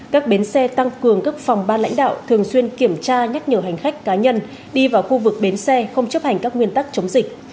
các bến xe tăng cường các phòng ban lãnh đạo thường xuyên kiểm tra nhắc nhở hành khách cá nhân đi vào khu vực bến xe không chấp hành các nguyên tắc chống dịch